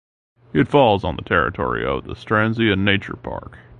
It falls on the territory of the Strandzha Nature Park.